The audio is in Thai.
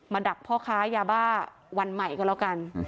ดักพ่อค้ายาบ้าวันใหม่ก็แล้วกัน